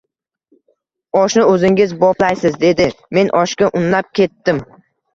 oshni o’zingiz boplaysiz, – dedi. Men oshga unnab ketdim.